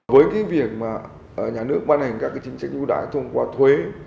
với cái việc mà nhà nước ban hành các cái chính sách ưu đãi thông qua thuế